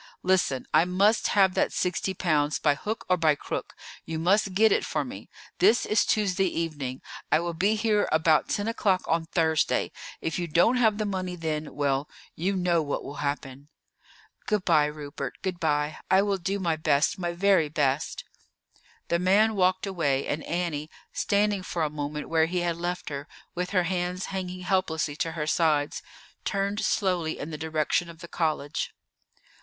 Listen, I must have that sixty pounds by hook or by crook; you must get it for me. This is Tuesday evening. I will be here about ten o'clock on Thursday; if you don't have the money then, well, you know what will happen." "Good by, Rupert, good by. I will do my best, my very best." The man walked away, and Annie, standing for a moment where he had left her, with her hands hanging helplessly to her sides, turned slowly in the direction of the college.